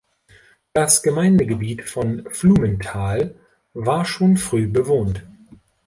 Das Gemeindegebiet von Flumenthal war schon früh bewohnt.